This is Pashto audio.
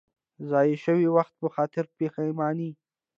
د ضایع شوي وخت په خاطر پښېماني.